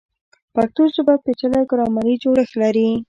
پښتو ژبه پیچلی ګرامري جوړښت لري.